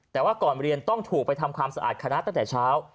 แต่ว่าก่อนเรียนต้องถูกไปทำความสะอาดคณะตั้งแต่เช้า